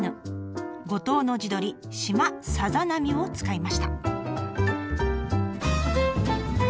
五島の地鶏しまさざなみを使いました。